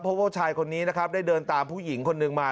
เพราะว่าชายคนนี้นะครับได้เดินตามผู้หญิงคนหนึ่งมา